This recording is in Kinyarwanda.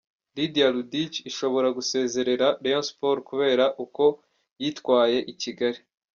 Lydia Ludic ishobora gusezerera Rayon Sports kubera uko yitwaye i Kigali.